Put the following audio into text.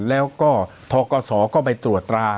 แล้วก็ทกศก็ไปตรวจตรา